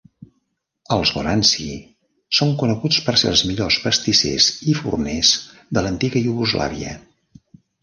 Els Goranci són coneguts per ser "els millors pastissers i forners" de l'antiga Iugoslàvia.